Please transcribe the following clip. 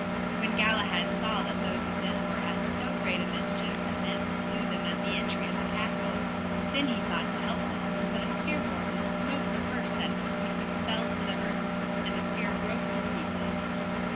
When Galahad saw that those within were at so great a mischief that men slew them at the entry of the castle, then he thought to help them, and put a spear forth and smote the first that he fell to the earth, and the spear brake to pieces.